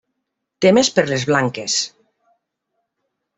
Temes per les blanques: